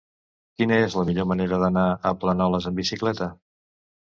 Quina és la millor manera d'anar a Planoles amb bicicleta?